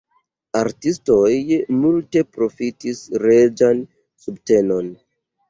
Artistoj multe profitis reĝan subtenon.